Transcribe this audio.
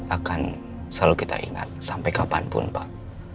akan selalu kita ingat sampai kapanpun pak